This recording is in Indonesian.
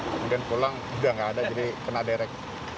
kemudian pulang udah nggak ada jadi kena derek